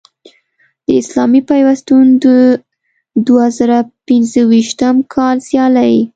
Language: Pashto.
د اسلامي پیوستون د دوه زره پنځویشتم کال سیالۍ